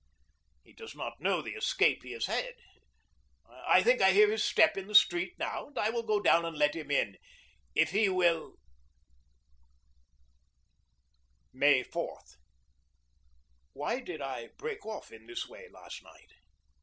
He does not know the escape he has had. I think I hear his step in the street now, and I will go down and let him in. If he will May 4. Why did I break off in this way last night?